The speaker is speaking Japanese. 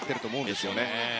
ですよね。